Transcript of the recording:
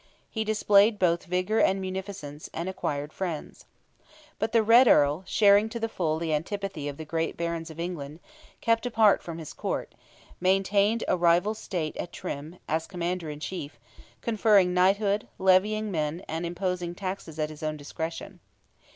He displayed both vigour and munificence, and acquired friends. But the Red Earl, sharing to the full the antipathy of the great barons of England, kept apart from his court, maintained a rival state at Trim, as Commander in Chief, conferring knighthood, levying men, and imposing taxes at his own discretion.